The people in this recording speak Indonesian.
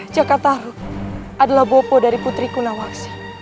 jakartaru adalah bopo dari putriku nawaksi